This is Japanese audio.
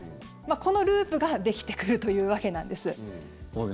このループができてくるというわけなんです。